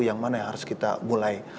yang mana yang harus kita mulai